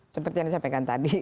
seperti yang disampaikan tadi